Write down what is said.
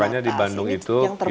makanya di bandung itu